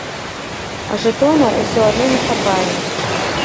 А жэтонаў усё адно не хапае.